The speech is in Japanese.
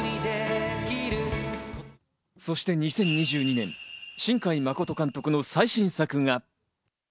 そして２０２２年、新海誠監督の最新作が。